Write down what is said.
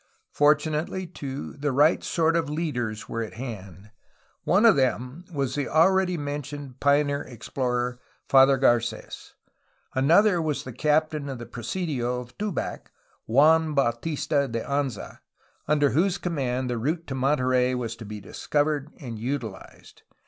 Fortunately, too, the right sort of leaders were at hand. One of them was the already mentioned pioneer explorer. Father Carets. Another was the captain of the presidio of Tubac, Juan Bautista de Anza, under whose command the route to Monterey was to be discovered and utilized.